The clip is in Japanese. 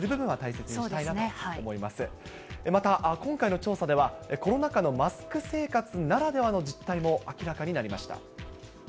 また、今回の調査では、コロナ禍のマスク生活ならではの実態も明らかになりました。